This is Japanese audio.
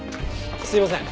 すいません。